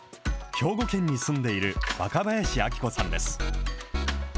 兵庫県に住んでいる若林晶子さんです。